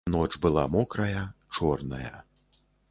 Ноч была мокрая, чорная.